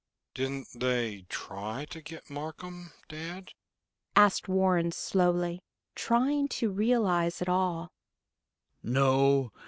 "Didn't they try to get Marcum, dad?" asked Warren slowly, trying to realize it all. "No.